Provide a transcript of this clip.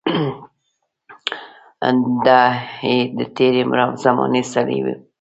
دای د تېرې زمانې سړی و.